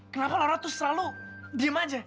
kenapa lara tuh selalu diem aja